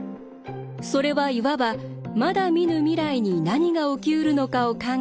それはいわばまだ見ぬ未来に何が起きうるのかを考え